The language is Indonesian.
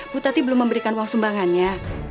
bu tati belum memberikan uang sumbangannya